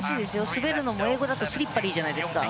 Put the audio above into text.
滑るのも英語だとスリッパリーじゃないですか。